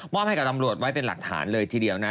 ให้กับตำรวจไว้เป็นหลักฐานเลยทีเดียวนะ